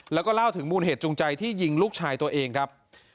แล้วก็เล่าถึงมูลเหตุจูงใจที่ยิงลูกชายตัวเองครับ